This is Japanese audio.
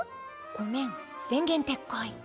ごめん前言撤回。